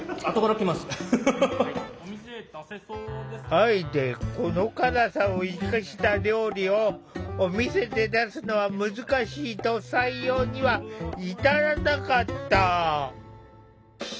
あえてこの辛さを生かした料理をお店で出すのは難しいと採用には至らなかった。